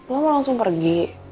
lo mau langsung pergi